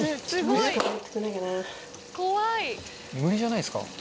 中丸：無理じゃないですか。